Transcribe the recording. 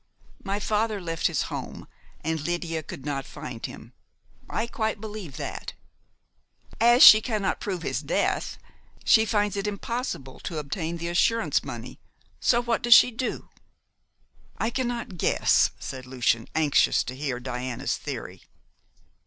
My father left his home, and Lydia could not find him. I quite believe that. As she cannot prove his death, she finds it impossible to obtain the assurance money; so what does she do?" "I cannot guess," said Lucian, anxious to hear Diana's theory.